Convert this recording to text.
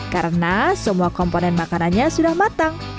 karena semua komponen makanannya sudah matang